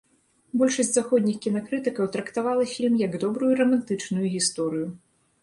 Большасць заходніх кінакрытыкаў трактавала фільм як добрую рамантычную гісторыю.